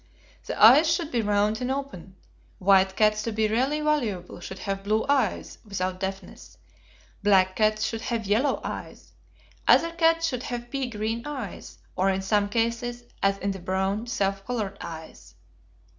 The eyes should be round and open. White cats to be really valuable should have blue eyes (without deafness); black cats should have yellow eyes; other cats should have pea green eyes, or in some cases, as in the brown, self colored eyes.